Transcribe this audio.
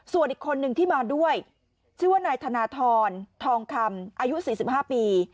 ส่วนอีกคนนึงที่มาด้วยชื่อว่านายธนทรทองคำอายุ๔๕ปี